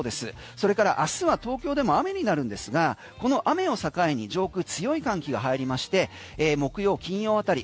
それから明日は東京でも雨になるんですが、この雨を境に上空、強い寒気が入りまして木曜金曜あたり